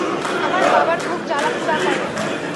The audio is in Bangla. আমার বাবার বুক জ্বালা পুড়া করে।